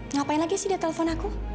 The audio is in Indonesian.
ngapain lagi sih dia telpon aku